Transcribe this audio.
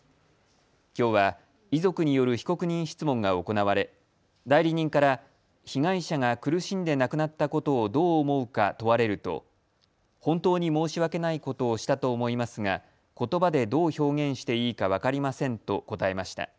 きょうは遺族による被告人質問が行われ代理人から被害者が苦しんで亡くなったことをどう思うか問われると本当に申し訳ないことをしたと思いますがことばでどう表現していいか分かりませんと答えました。